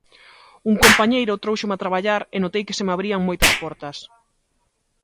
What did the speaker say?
Un compañeiro tróuxome a traballar e notei que se me abrían moitas portas.